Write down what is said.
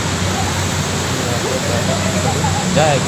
تو راجا ڌادو خوݾ ھويو